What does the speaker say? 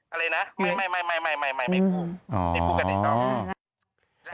อะไรนะไม่ไม่ไม่พูด